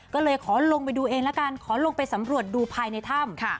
ก็เลยขอลงไปดูเองละกันขอลงไปสำรวจดูภายในถ้ำ